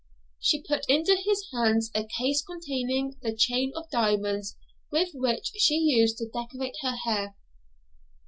She put into his hands a case containing the chain of diamonds with which she used to decorate her hair.